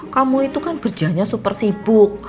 kamu itu kan kerjanya super sibuk